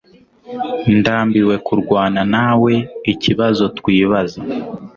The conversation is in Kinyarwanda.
Ndambiwe kurwana nawe ikibazo twibaza